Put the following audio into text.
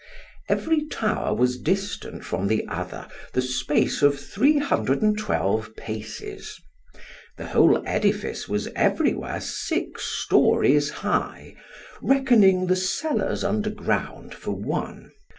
Every tower was distant from other the space of three hundred and twelve paces. The whole edifice was everywhere six storeys high, reckoning the cellars underground for one.